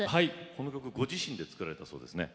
この曲ご自身で作られたそうですね。